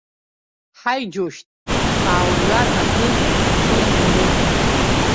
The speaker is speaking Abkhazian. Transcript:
Ҳаи, џьоушьҭ, сааурҩар аӡы сылымҵуеи!